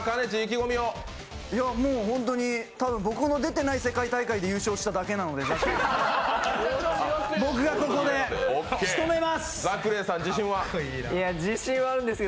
もう本当に、ただ僕の出ていない世界大会で優勝しただけなので僕がここで仕留めます！